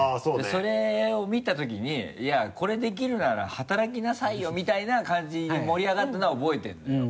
それを見たときに「いやこれできるなら働きなさいよ」みたいな感じに盛り上がったのは覚えてるのよ。